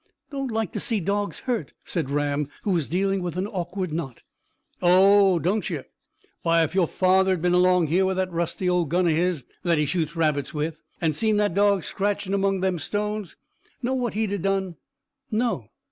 "Don't like to see dogs hurt," said Ram, who was dealing with an awkward knot. "Oh, don't you! Why, if your father had been along here with that rusty old gun of hisn, that he shoots rabbits with, and seen that dog scratching among them stones, know what he'd have done?" "No."